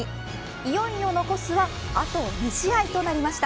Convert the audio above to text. いよいよ残すはあと２試合となりました。